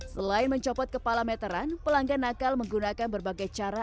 selain mencopot kepala meteran pelanggan nakal menggunakan berbagai cara